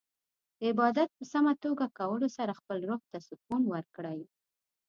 د عبادت په سمه توګه کولو سره خپل روح ته سکون ورکړئ.